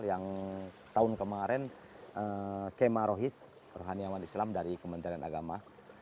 yang tahun kemarin kema rohis rohaniawan islam dari kementerian agama